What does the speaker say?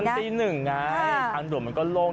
ตั้งสิ้นหนึ่งไงอ่าทางด่วนมันก็โล่ง